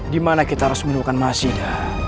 dimana kita harus menemukan mahasiswa